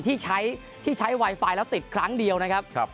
ที่ใช้ที่ใช้ไวไฟแล้วติดครั้งเดียวนะครับ